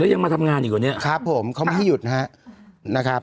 แล้วยังมาทำงานอยู่กว่านี้ครับผมข้อมูลพี่หยุดนะฮะนะครับ